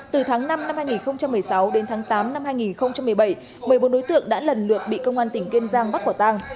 từ tháng năm năm hai nghìn một mươi sáu đến tháng tám năm hai nghìn một mươi bảy một mươi bốn đối tượng đã lần lượt bị công an tỉnh kiên giang bắt quả tăng